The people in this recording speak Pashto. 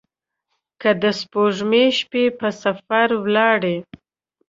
که د سپوږمۍ شپې په سفر ولاړي